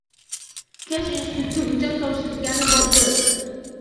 Kecha institutga hujjat topshirgani bordim.